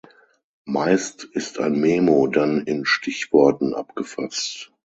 Meist ist ein Memo dann in Stichworten abgefasst.